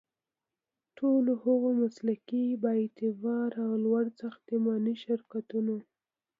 ټولو هغو مسلکي، بااعتباره او وړ ساختماني شرکتونو